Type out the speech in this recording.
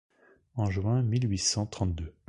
En juin mille huit cent trente-deux